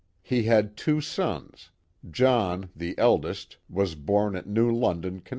... He had two sons: John, the eldest, was born at New London, Conn.